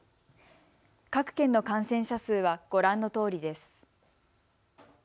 各県の感染者数はご覧のとおりです。